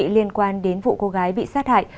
liên quan đến vụ cô gái bị sát hại